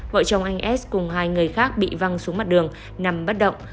vợ chồng anh s cùng hai người khác bị văng xuống mặt đường nằm bất động